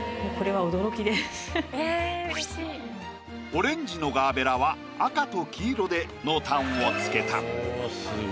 オレンジのガーベラは赤と黄色で濃淡を付けた。